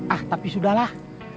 ah tapi sudahlah